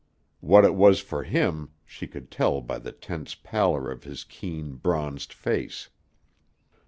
What it was for him, she could tell by the tense pallor of his keen, bronzed face.